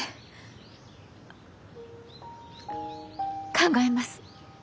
考えます。